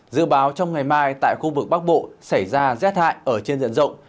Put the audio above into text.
dự báo trong ngày mai tại khu vực bắc bộ xảy ra rét hại ở trên diện rộng